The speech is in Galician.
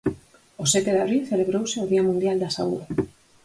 O sete de abril celebrouse o Día Mundial da Saúde.